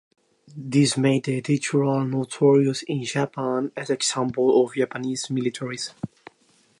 These made the editorial notorious in Japan as an example of Japanese militarism.